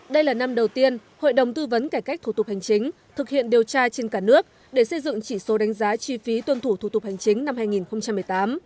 đây là năm đầu tiên hội đồng tư vấn cải cách thủ tục hành chính thực hiện điều tra trên cả nước để xây dựng chỉ số đánh giá chi phí tuân thủ thủ tục hành chính năm hai nghìn một mươi tám